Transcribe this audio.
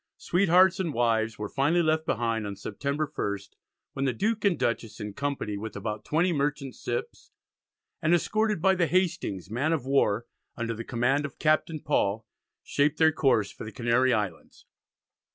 Sweethearts and wives were finally left behind on September 1st, when the Duke and Dutchess in company with about 20 merchant ships, and escorted by the Hastings man of war, under the command of Captain Paul, shaped their course for the Canary Islands.